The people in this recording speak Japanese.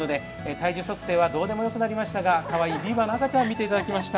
体重測定はどうでもよくなりましたがかわいいビーバーの赤ちゃん、見ていただきました。